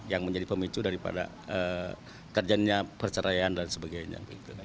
yang menjadi pemicu daripada terjadinya perceraian dan sebagainya